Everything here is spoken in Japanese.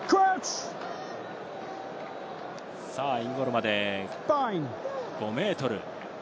インゴールまで５ｍ。